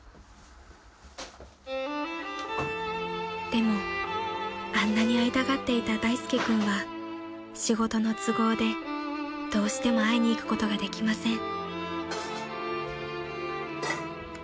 ［でもあんなに会いたがっていた大介君は仕事の都合でどうしても会いに行くことができません］